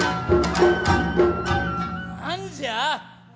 何じゃ。